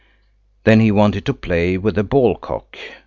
Then he wanted to play with the ball cock.